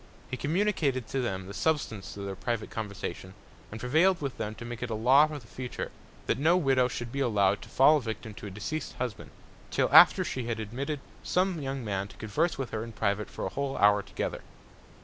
He communicated to them the Substance of their private Conversation, and prevailed with them to make it a Law for the future, that no Widow should be allow'd to fall a Victim to a deceased Husband, till after she had admitted some young Man to converse with her in private for a whole Hour together.